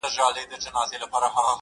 زما انارګلي زما ښایستې خورکۍ!.